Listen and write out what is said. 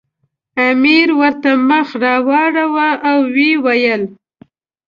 امیر ورته مخ راواړاوه او ویې ویل.